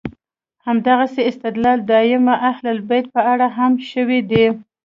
همدغه استدلال د ائمه اهل بیت په اړه هم شوی دی.